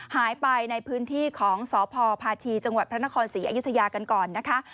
หายไปในพื้นที่ของสพพาชีจังหวัดพระนครศรีอยุธยากันก่อนนะคะ